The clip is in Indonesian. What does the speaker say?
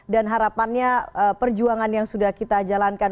dan harapannya perjuangan yang sudah kita jalankan